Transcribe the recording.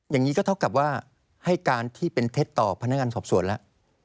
อย่างนี้ก็เท่ากับว่าให้การที่เป็นเท็จต่อพนักงานสอบสวนแล้ว